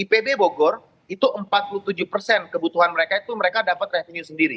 ipb bogor itu empat puluh tujuh persen kebutuhan mereka itu mereka dapat revenue sendiri